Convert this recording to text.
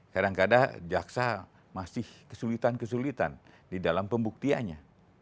kadang kadang jaksa masih kesulitan kesulitan di dalam pembuktiannya